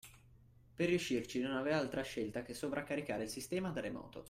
Per riuscirci non aveva altra scelta che sovraccaricare il sistema da remoto.